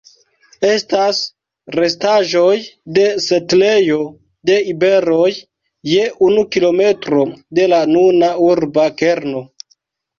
Estas restaĵoj de setlejo de iberoj je unu kilometro de la nuna urba kerno.